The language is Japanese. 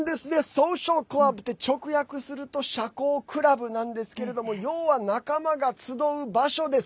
ソーシャルクラブって直訳すると社交クラブなんですけど要は仲間が集う場所です。